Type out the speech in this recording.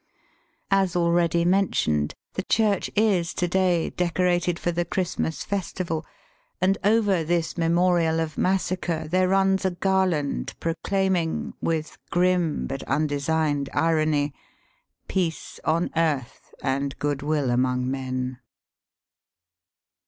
As already mentioned, the church is to day decorated for the Christmas festival, and over this memorial of massacre there runs a garland proclaiming, with grim but undesigned irony, " Peace on earth, and goodwill among men."